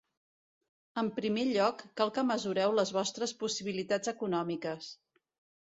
En primer lloc, cal que mesureu les vostres possibilitats econòmiques.